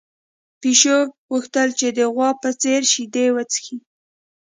پيشو غوښتل چې د غوا په څېر شیدې وڅښي.